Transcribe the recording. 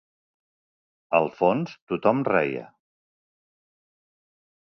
Al fons tot-hom reia